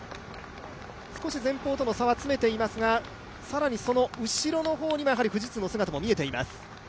少し前方との差は詰めていますが更にその後ろの方に富士通の姿も見えています。